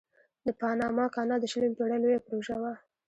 د پاناما کانال د شلمې پیړۍ لویه پروژه وه.